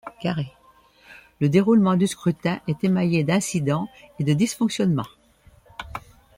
Le déroulement du scrutin est émaillé d'incidents et de dysfonctionnements.